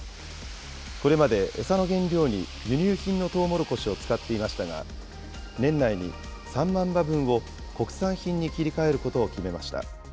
これまで餌の原料に輸入品のとうもろこしを使っていましたが、年内に３万羽分を国産品に切り替えることを決めました。